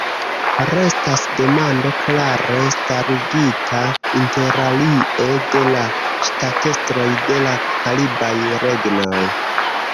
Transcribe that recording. Restas demando klare starigita, interalie, de la ŝtatestroj de la karibaj regnoj.